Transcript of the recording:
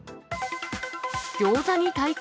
ギョーザに対抗？